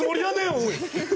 おい！